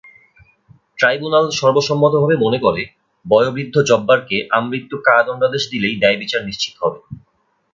Tribunal সর্বসম্মতভাবে মনে করে, বয়োবৃদ্ধ জব্বারকে আমৃত্যু কারাদণ্ডাদেশ দিলেই ন্যায়বিচার নিশ্চিত হবে।